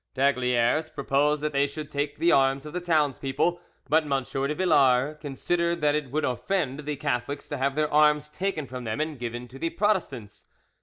D'Aygaliers proposed that they should take the arms of the townspeople, but M. de Villars considered that it would offend the Catholics to have their arms taken from them and given to the Protestants.